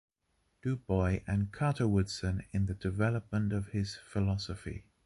Du Bois and Carter Woodson in the development of his philosophy.